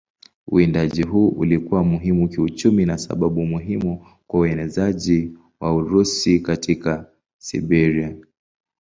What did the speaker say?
Uwindaji huu ulikuwa muhimu kiuchumi na sababu muhimu kwa uenezaji wa Urusi katika Siberia.